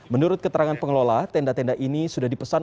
menurut keterangan pengelola tenda tenda ini sudah dipesan